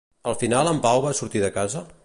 Al final en Pau va sortir de casa?